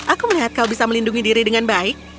aku melihat kau bisa melindungi diri dengan baik